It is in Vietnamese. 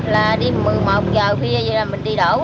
là đi một mươi một giờ phía dưới là mình đi đổ